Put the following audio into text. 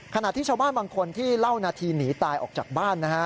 ขณะที่ชาวบ้านบางคนที่เล่านาทีหนีตายออกจากบ้านนะฮะ